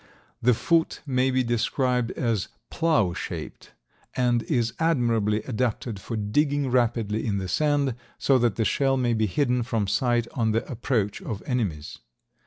The foot may be described as plough shaped and is admirably adapted for digging rapidly in the sand, so that the shell may be hidden from sight on the approach of enemies.